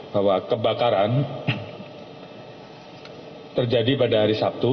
bahwa kebakaran terjadi pada hari sabtu